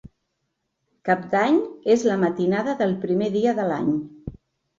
Cap d'Any és la matinada del primer dia de l'any.